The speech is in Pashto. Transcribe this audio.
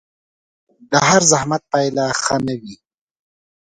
د هر زحمت پايله ښه نه وي